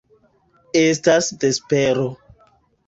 Estas vespero.